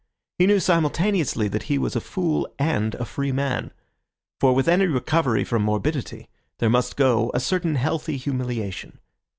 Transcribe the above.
He knew simultaneously that he was a fool and a free man. For with any recovery from morbidity there must go a certain healthy humiliation.